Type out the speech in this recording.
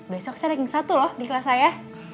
besok saya ranking satu loh di kelas saya